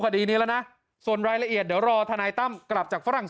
คดีนี้แล้วนะส่วนรายละเอียดเดี๋ยวรอทนายตั้มกลับจากฝรั่งเ